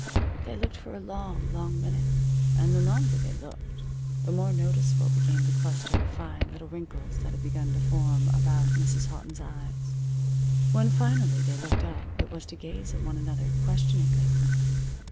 They looked for a long, long minute, and the longer they looked the more noticeable became the cluster of fine little wrinkles that had begun to form about Mrs. Houghton's eyes. When finally they looked up it was to gaze at one another questioningly.